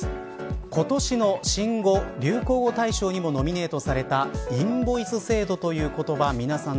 今年の新語・流行語大賞にもノミネートされたインボイス制度という言葉皆さん